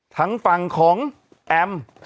ทั้งฝั่งของแอม